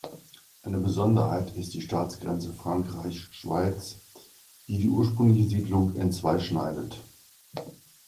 Eine Besonderheit ist die Staatsgrenze Frankreich–Schweiz, die die ursprüngliche Siedlung entzwei schneidet.